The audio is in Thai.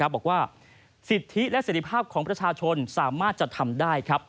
บอกว่าสิทธิและเสร็จภาพของประชาชนสามารถจะทำได้